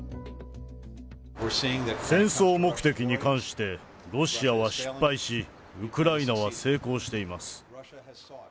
戦争目的に関して、ロシアは失敗し、ウクライナは成功しています。